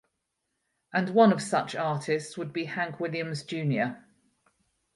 And one of such artists would be Hank Williams Jr.